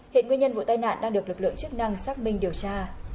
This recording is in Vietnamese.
hiện nguyên nhân vụ tai nạn đang được lực lượng chức năng xác minh điều tra